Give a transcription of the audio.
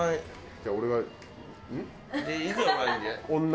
じゃあ俺がうん？